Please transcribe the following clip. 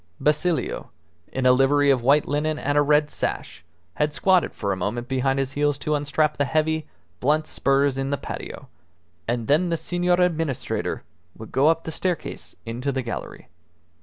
Basilio, in a livery of white linen and a red sash, had squatted for a moment behind his heels to unstrap the heavy, blunt spurs in the patio; and then the Senor Administrator would go up the staircase into the gallery.